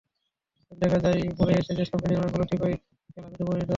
কিন্তু দেখা যায়, পরে এসে সেসব ঋণের অনেকগুলো ঠিকই খেলাপিতে পরিণত হচ্ছে।